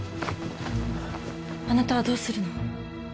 あなたはどうするの？